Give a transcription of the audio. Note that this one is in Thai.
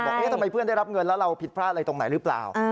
ทำไมเพื่อนได้รับเงินแล้วเราผิดพลาดอะไรตรงไหนหรือเปล่า